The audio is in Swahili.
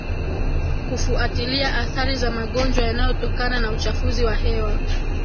kufuatilia athari za magonjwa yanayotokana na uchafuzi wa hewa